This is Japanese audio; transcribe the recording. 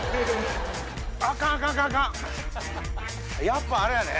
やっぱあれやね。